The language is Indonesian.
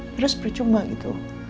terus percuma gitu